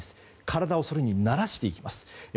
体をそれに慣らしていきます。